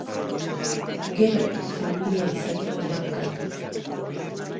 Gero, familia izan zuen langai.